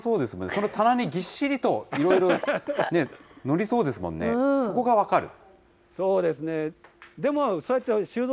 その棚にぎっしりと、いろいろね、載りそうですもんね、そこが分かる？